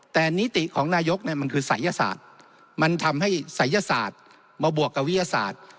แต่นิติของนายกมันคือศัยศาสตร์มันทำให้ศัยศาสตร์มาบวกกับวิทยาศาสตร์